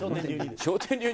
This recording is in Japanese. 笑点流に？